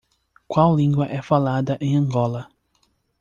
Qual língua é falada em Angola?